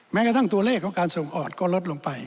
แม้กระทั่งตัวเลขของการส่งออกก็ลดลงไป